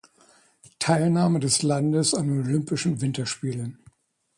Teilnahme des Landes an Olympischen Winterspielen.